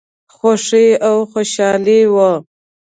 خوښي او خوشالي وه.